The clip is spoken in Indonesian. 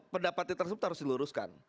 pendapat yang tersebut harus diluruskan